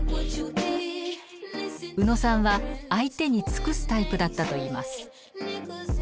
宇野さんは相手に尽くすタイプだったといいます。